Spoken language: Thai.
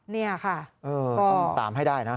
นี่ค่ะต้องตามให้ได้นะ